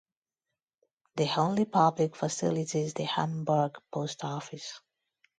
The only public facility is the Hamburg Post Office.